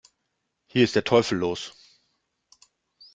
Hier ist der Teufel los!